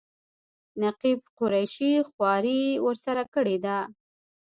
نقیب قریشي خواري ورسره کړې ده.